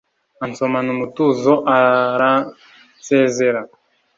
Ansomana umutuzo aransezera,